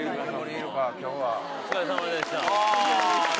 お疲れさまでした。